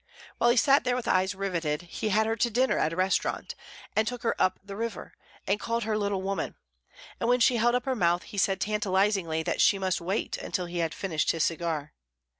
While he sat there with eyes riveted, he had her to dinner at a restaurant, and took her up the river, and called her "little woman"; and when she held up her mouth he said tantalizingly that she must wait until he had finished his cigar.